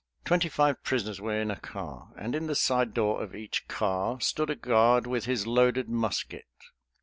Twenty five prisoners were in a car, and in the side door of each car stood a guard with his loaded musket.